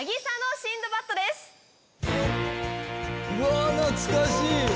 うわ懐かしい！